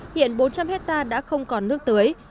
hiện bốn trăm linh hectare đã không còn nước tưới